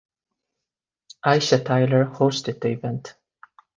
Aisha Tyler hosted the event.